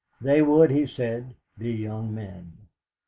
They would, he said, be young men.